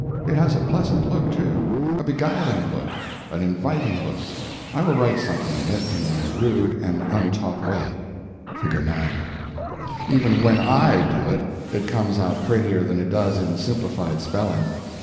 It has a pleasant look, too; a beguiling look, an inviting look. I will write something in it, in my rude and untaught way: (Figure 9) Even when I do it it comes out prettier than it does in Simplified Spelling.